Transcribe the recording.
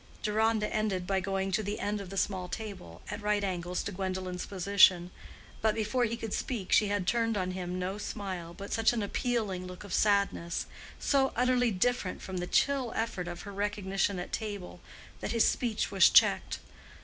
Deronda ended by going to the end of the small table, at right angles to Gwendolen's position, but before he could speak she had turned on him no smile, but such an appealing look of sadness, so utterly different from the chill effort of her recognition at table, that his speech was checked.